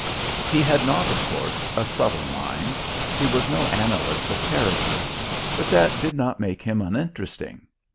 He had not, of course, a subtle mind he was no analyst of character but that did not make him uninteresting.